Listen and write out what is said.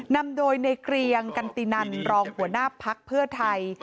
นำโดยในเกรียงกันตินันรองหัวหน้าพักเพื่อไทย